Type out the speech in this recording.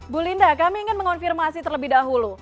bu linda kami ingin mengonfirmasi terlebih dahulu